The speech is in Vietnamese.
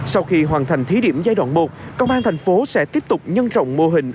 sau khi hoàn thành thí điểm giai đoạn một công an thành phố sẽ tiếp tục nhân rộng mô hình